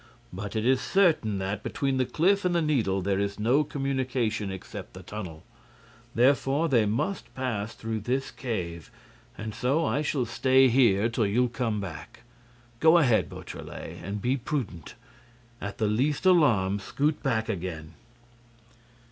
But it is certain that, between the cliff and the Needle, there is no communication except the tunnel. Therefore they must pass through this cave. And so I shall stay here till you come back. Go ahead, Beautrelet, and be prudent: at the least alarm, scoot back again."